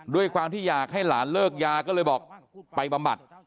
ด้วยความที่อยากให้หลานเลิกยาก็เลยบอกไปบำบัด